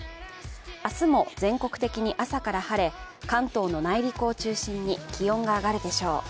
明日も全国的に朝から晴れ、関東の内陸を中心に気温が上がるでしょう。